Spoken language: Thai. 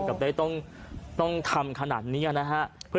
กับได้ต้องทำขนาดนี้นะฮะ